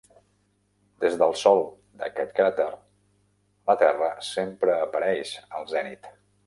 Des del sòl d'aquest cràter, la Terra sempre apareix al zenit.